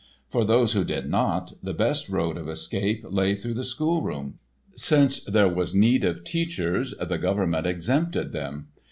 For those who did not, the best road of escape lay through the schoolroom. Since there was need of teachers, the government exempted them.